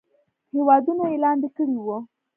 هیوادونه یې لاندې کړي وو.